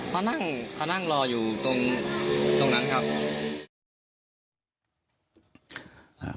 เขานั่งรออยู่ตรงนั้นครับ